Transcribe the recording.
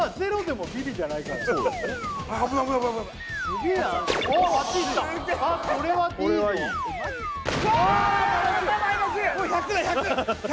もう１００だよ